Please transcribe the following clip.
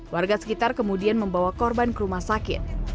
warga sekitar kemudian membawa korban ke rumah sakit